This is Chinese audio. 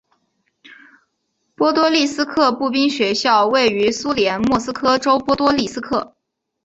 波多利斯克步兵学校位于苏联莫斯科州波多利斯克。